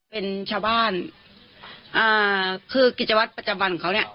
เป็นชาวบ้านคือกิจวัตรปัจจับวันเขา